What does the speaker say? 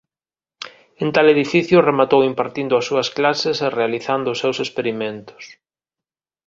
En tal edificio rematou impartindo as súas clases e realizando os seus experimentos.